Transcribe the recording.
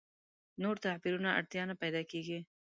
نور تعبیرونو اړتیا نه پیدا کېږي.